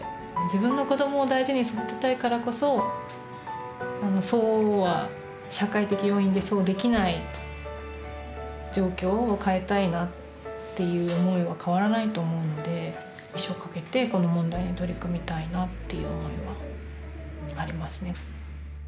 自分の子どもを大事に育てたいからこそそうは社会的要因でそうできない状況を変えたいなっていう思いは変わらないと思うんで一生かけてこの問題に取り組みたいなっていう思いはありますね。